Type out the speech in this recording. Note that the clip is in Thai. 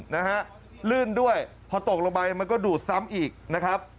นะฮะลื่นด้วยพอตกลงไปมันก็ดูดซ้ำอีกนะครับ